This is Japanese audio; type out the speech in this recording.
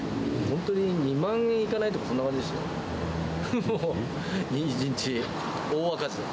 本当に２万円いかないとか、そんな感じですよ。